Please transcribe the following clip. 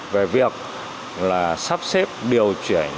về việc là sắp xếp điều chuyển